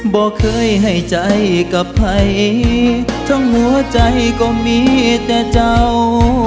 บอกเคยให้ใจกับใครทั้งหัวใจก็มีแต่เจ้า